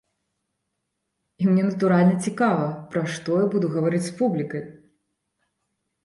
І мне, натуральна, цікава, пра што я буду гаварыць з публікай.